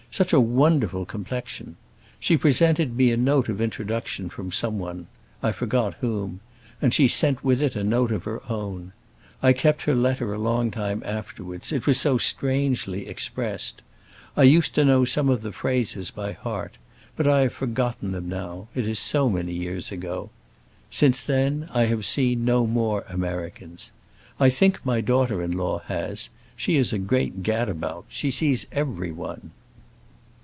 such a wonderful complexion! She presented me a note of introduction from someone—I forgot whom—and she sent with it a note of her own. I kept her letter a long time afterwards, it was so strangely expressed. I used to know some of the phrases by heart. But I have forgotten them now, it is so many years ago. Since then I have seen no more Americans. I think my daughter in law has; she is a great gad about, she sees everyone."